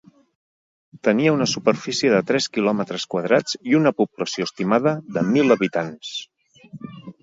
Tenia una superfície de tres kilòmetres quadrats i una població estimada de mil habitants.